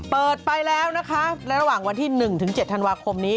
ไปแล้วนะคะและระหว่างวันที่๑๗ธันวาคมนี้